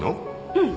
うん。